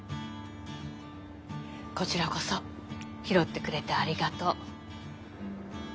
こちらこそ拾ってくれてありがとう。